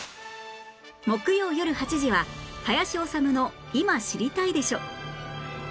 木曜よる８時は『林修の今、知りたいでしょ！』